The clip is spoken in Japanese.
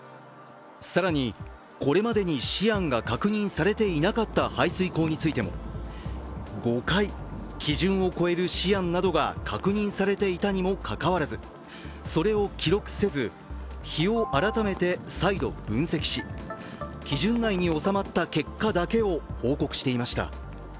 更にこれまでにシアンが確認されていなかった排水口についても、５回基準を超えるシアンなどが確認されていたにもかかわらずそれを記録せず、日を改めて再度分析し基準内に収まった結果だけを報告していました。